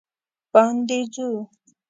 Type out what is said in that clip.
باندې ځو